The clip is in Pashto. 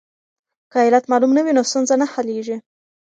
که علت معلوم نه وي نو ستونزه نه حلیږي.